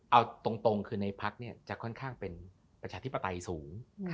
เอาตรงคือในพักจะค่อนข้างเป็นประชาธิปไตยสูง